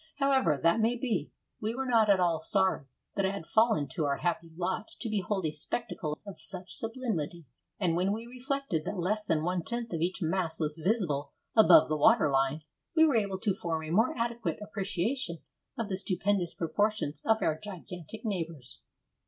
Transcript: However that may be, we were not at all sorry that it had fallen to our happy lot to behold a spectacle of such sublimity. And when we reflected that less than one tenth of each mass was visible above the water line, we were able to form a more adequate appreciation of the stupendous proportions of our gigantic neighbours.